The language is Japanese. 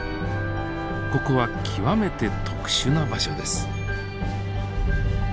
ここは極めて特殊な場所です。